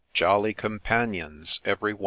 Jolly companions every one